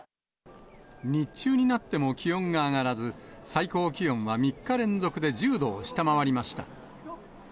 日中になっても気温が上がらず、最高気温は３日連続で１０度を下回りました。